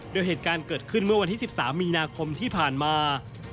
โดยเหตุการณ์เกิดขึ้นเมื่อวันที่๑๓มีนาคมที่ผ่านมา